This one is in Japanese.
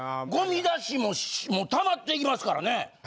ごみ出しもたまっていきますからね。